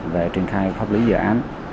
về trình khai pháp lý dự án